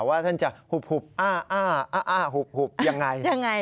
ว่าท่านจะหุบอ้าอ้าหุบยังไง